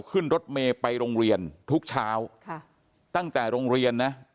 ขึ้นรถเมย์ไปโรงเรียนทุกเช้าค่ะตั้งแต่โรงเรียนนะ